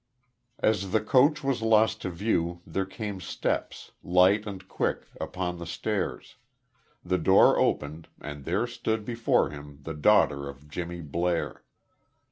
As the coach was lost to view there came steps, light and quick, upon the stairs; the door opened and there stood before him the daughter of Jimmy Blair.